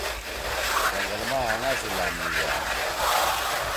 زنگل ما آنگا سی لام نھِگأد۔